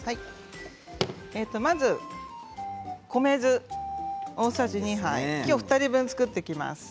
まず米酢、大さじ２杯今日は２人分作っていきます。